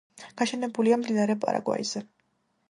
გაშენებულია მდინარე პარაგვაიზე.